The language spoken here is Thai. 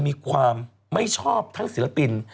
มีความไม่ชอบทั้งศิลปิน